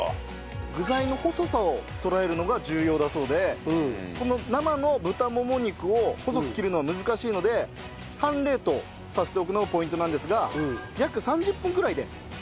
具材の細さをそろえるのが重要だそうでこの生の豚もも肉を細く切るのは難しいので半冷凍させておくのがポイントなんですが約３０分ぐらいで切りやすくなるそうです。